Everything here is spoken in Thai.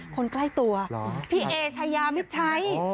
คนใกล้ตัวพี่เอ๋ใช้ยามิตรใช้